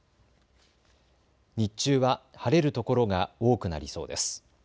日中は晴れる所が多くなりそうです。